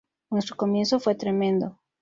Nuestro comienzo fue tremendo.